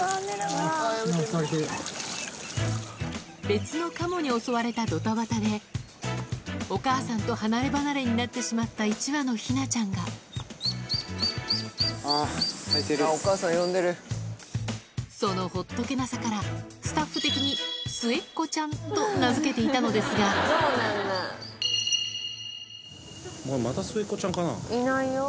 別のカモに襲われたドタバタでお母さんと離れ離れになってしまった１羽のヒナちゃんがそのほっとけなさからスタッフ的に末っ子ちゃんと名付けていたのですがいないよ